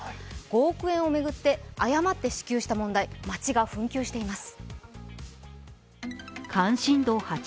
５億円を巡って誤って支給した問題町が紛糾しています。